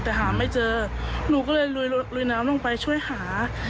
แต่หาไม่เจอหนูก็เลยลุยน้ำลงไปช่วยหา